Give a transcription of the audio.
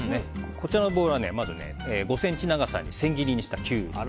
こちらのボウルは５ｃｍ長さに千切りにしたキュウリ。